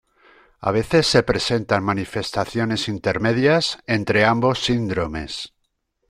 A veces se presentan manifestaciones intermedias entre ambos síndromes.